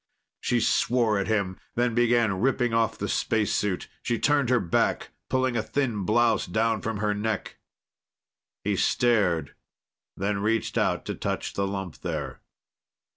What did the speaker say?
She swore at him, then began ripping off the spacesuit. She turned her back, pulling a thin blouse down from her neck. He stared, then reached out to touch the lump there.